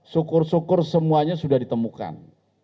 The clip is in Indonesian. syukur syukur semuanya sudah ditemukan